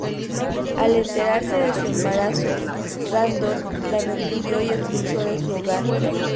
Al enterarse de su embarazo, Randolph la repudió y expulsó de su hogar.